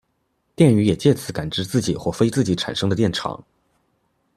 电鱼也藉此感知自己或非自己产生的电场。